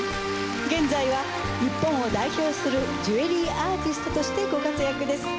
現在は日本を代表するジュエリーアーティストとしてご活躍です。